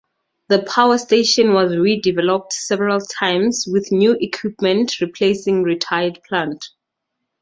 The power station was redeveloped several times with new equipment replacing retired plant.